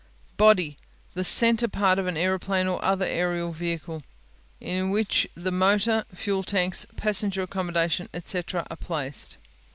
Body The center part of an aeroplane or other aerial vehicle, in which the motor, fuel tanks, passenger accommodation, etc., are placed.